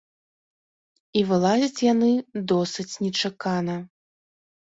І вылазяць яны досыць нечакана.